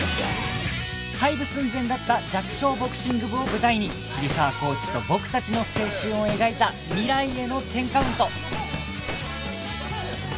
廃部寸前だった弱小ボクシング部を舞台に桐沢コーチと僕たちの青春を描いた『未来への１０カウント』